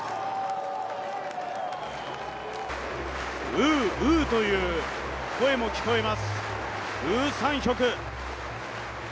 ウー、ウーという声も聞こえます、ウ・サンヒョク。